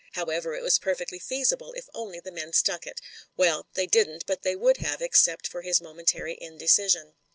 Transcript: However, it was perfectly feasible if only the men stuck it Well, they didn't, but they would have except for his momentary indecision.